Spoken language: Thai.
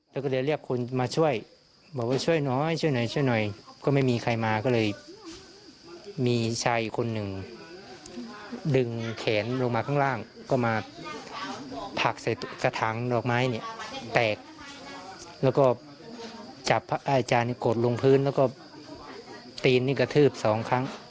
พระอาจารย์กดลงกับพื้นแล้วก็กระทืบสองครั้ง